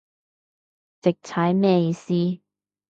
直踩咩意思